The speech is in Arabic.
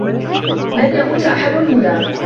لن يموت أحد هنا.